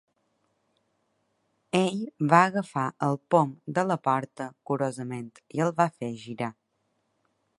Ell va agafar el pom de la porta curosament i el va fer girar.